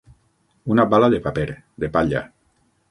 Una bala de paper, de palla.